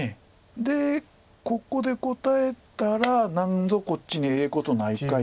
で「ここで応えたらなんぞこっちにええことないかいな」と。